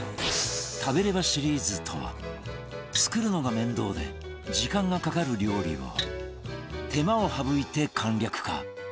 食べればシリーズとは作るのが面倒で時間がかかる料理を手間を省いて簡略化